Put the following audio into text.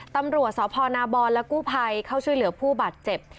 ตำรวจสพนาบรและกู้ภัยเข้าช่วยเหลือผู้บาดเจ็บ